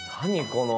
この。